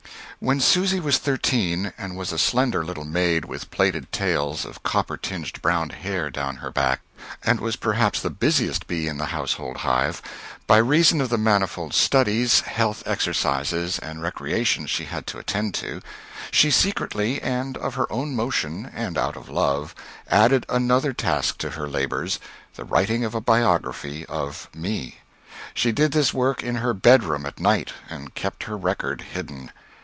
When Susy was thirteen, and was a slender little maid with plaited tails of copper tinged brown hair down her back, and was perhaps the busiest bee in the household hive, by reason of the manifold studies, health exercises and recreations she had to attend to, she secretly, and of her own motion, and out of love, added another task to her labors the writing of a biography of me. She did this work in her bedroom at night, and kept her record hidden.